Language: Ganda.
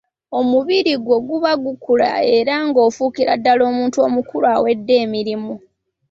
Omubiri gwo guba gukula era ng'ofuukira ddala omuntu omukulu awedde emirimu.